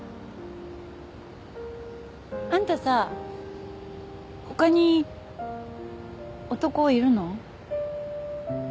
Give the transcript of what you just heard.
あんたさ他に男いるの？